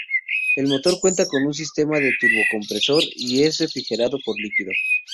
El motor cuenta con un sistema de turbocompresor, y es refrigerado por líquido.